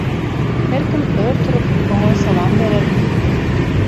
Her kim ör turup oňa salam berer.